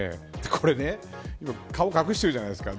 これ今、顔隠してるじゃないですか。